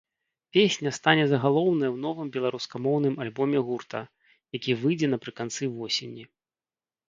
Песня стане загалоўнай у новым беларускамоўным альбоме гурта, які выйдзе напрыканцы восені.